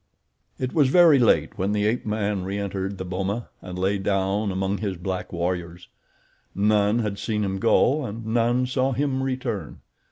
It was very late when the ape man re entered the boma and lay down among his black warriors. None had seen him go and none saw him return.